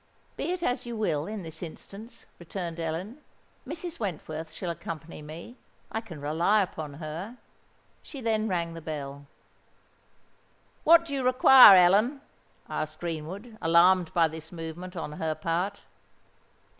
"Be it as you will in this instance," returned Ellen. "Mrs. Wentworth shall accompany me—I can rely upon her." She then rang the bell. "What do you require, Ellen?" asked Greenwood, alarmed by this movement on her part.